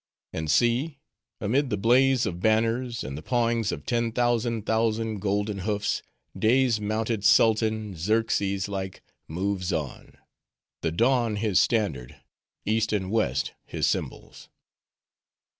And see! amid the blaze of banners, and the pawings of ten thousand thousand golden hoofs, day's mounted Sultan, Xerxes like, moves on: the Dawn his standard, East and West his cymbals.